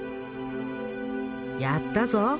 「やったぞ！